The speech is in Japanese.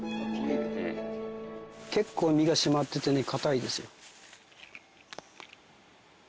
結構実が締まっててね堅いですよ。